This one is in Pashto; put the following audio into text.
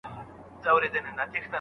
نه په یخ نه په ګرمي کي سو فارغ له مصیبته